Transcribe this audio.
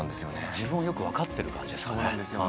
自分をよく分かっている感じですね。